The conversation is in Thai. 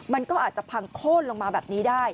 มันก็อาจจะพังโค้นลงมาแบบนี้ได้